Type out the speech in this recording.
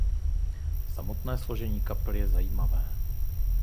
Samotné složení kapely je zajímavé.